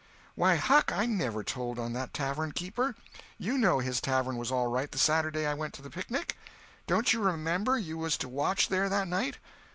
"Why, Huck, I never told on that tavern keeper. You know his tavern was all right the Saturday I went to the picnic. Don't you remember you was to watch there that night?"